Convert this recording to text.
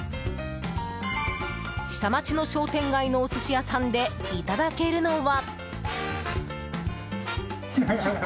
下町の商店街のお寿司屋さんでいただけるのは。